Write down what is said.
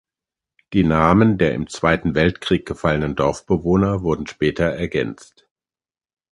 Die Namen der im Zweiten Weltkrieg gefallenen Dorfbewohner wurden später ergänzt.